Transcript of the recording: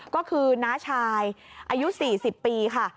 ก็คือน้าชายอายุ๔๐ปีค่ะ